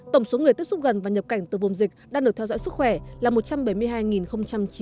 tổng số người tiếp xúc gần và nhập cảnh từ vùng dịch đang được theo dõi sức khỏe là một trăm bảy mươi hai chín mươi chín người